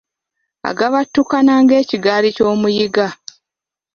Agabattukana ng’ekigaali ky’omuyiga.